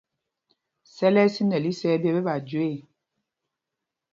Sɛl ɛ́ ɛ́ sinɛl isɛɛ ɓyɛ́ ɓɛ ɓa jüe ɛ̂.